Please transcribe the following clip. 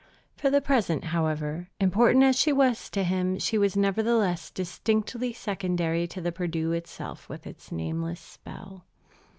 For the present, however, important as she was to him, she was nevertheless distinctly secondary to the Perdu itself with its nameless spell.